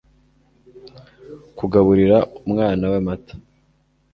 kugaburira umwana we amata